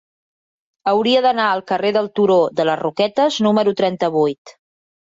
Hauria d'anar al carrer del Turó de les Roquetes número trenta-vuit.